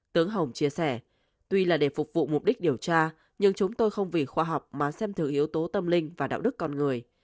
tướng hồng chia sẻ tuy là để phục vụ mục đích điều tra nhưng chúng tôi không vì khoa học mà xem thử yếu tố tâm linh và đạo đức con người